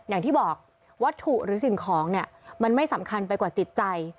อย่างที่บอกวัตถุหรือสิ่งของเนี่ยมันไม่สำคัญไปกว่าจิตใจ